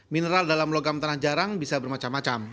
mineral dalam logam tanah jarang bisa bermacam macam